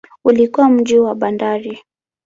Ulikuwa mji wa bandari.